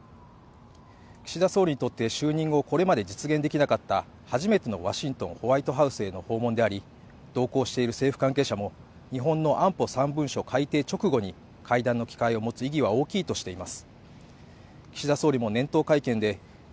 岸田総理にとって就任後これまで実現できなかった初めてのワシントンホワイトハウスへの訪問であり同行している政府関係者も日本の安保３文書改定直後に会談の機会を持つ意義は大きいとしています